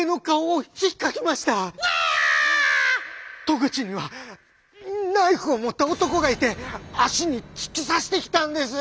「戸口にはナイフを持った男がいて足に突き刺してきたんです」。